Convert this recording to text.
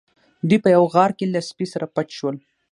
دوی په یوه غار کې له سپي سره پټ شول.